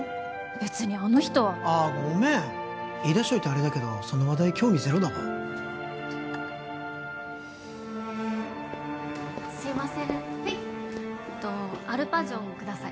べつにあの人はああごめん言いだしといてあれだけどその話題興味ゼロだわすいませーん・はいえっとアルパジョンください